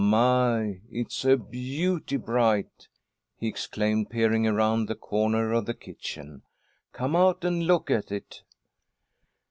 My! It's a beauty bright!" he exclaimed, peering around the corner of the kitchen, "Come out and look at it."